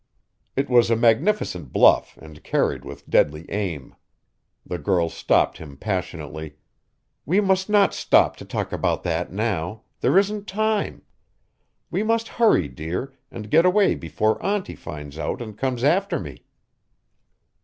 It was a magnificent bluff and carried with deadly aim. The girl stopped him passionately: "We must not stop to talk about that now there isn't time. We must hurry, dear, and get away before auntie finds out and comes after me."